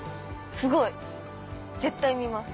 すごい！絶対見ます。